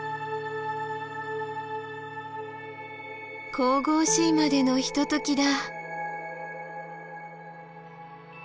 神々しいまでのひとときだ。